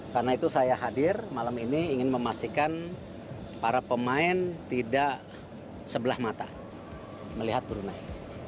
karena itu saya hadir malam ini ingin memastikan para pemain tidak sebelah mata melihat brunei